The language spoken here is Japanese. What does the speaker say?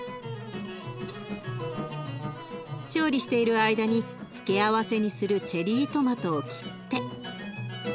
調理している間に付け合わせにするチェリートマトを切って。